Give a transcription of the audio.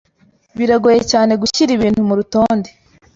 Biragoye cyane gushyira ibintu murutonde.